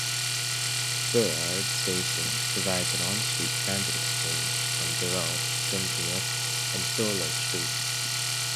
Burrard station provides an on-street transit exchange on Burrard, Dunsmuir, and Thurlow Street.